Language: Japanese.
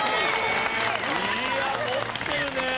いや持ってるね。